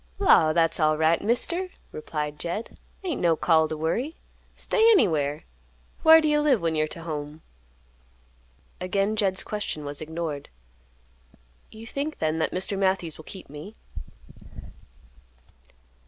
"Law, that's alright, Mister!" replied Jed. "Ain't no call t' worry. Stay anywhere. Whar do you live when you're to home?" Again Jed's question was ignored. "You think then that Mr. Matthews will keep me?"